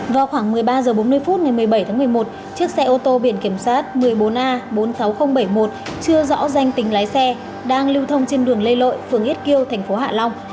vào khoảng một mươi ba h bốn mươi phút ngày một mươi bảy tháng một mươi một chiếc xe ô tô biển kiểm soát một mươi bốn a bốn mươi sáu nghìn bảy mươi một chưa rõ danh tính lái xe đang lưu thông trên đường lê lội phường ít kiêu thành phố hạ long